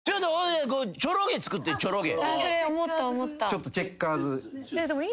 ちょっとチェッカーズ。